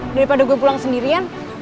daripada gue pulang sendirian